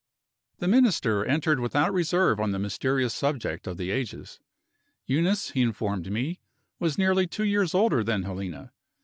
The Minister entered without reserve on the mysterious subject of the ages. Eunice, he informed me, was nearly two years older than Helena.